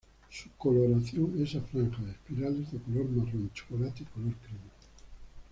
Su coloración es a franjas espirales de color marrón chocolate y color crema